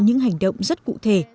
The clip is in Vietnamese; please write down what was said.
những hành động rất cụ thể